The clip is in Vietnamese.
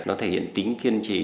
nó thể hiện tính kiên trì